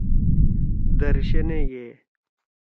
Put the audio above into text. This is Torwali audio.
درشنے یے۔